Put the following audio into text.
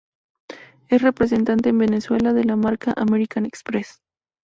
Es representante en Venezuela de la marca American Express.